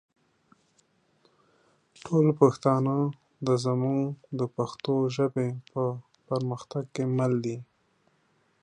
ټول پښتانه دا مونږ سره د پښتو ژبې په پرمختګ کې مل دي